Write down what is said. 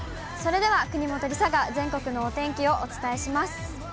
それでは国本梨紗が全国のお天気をお伝えします。